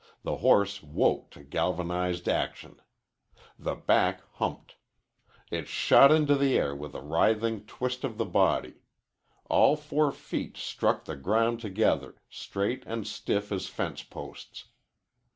The horse woke to galvanized action. The back humped. It shot into the air with a writhing twist of the body. All four feet struck the ground together, straight and stiff as fence posts.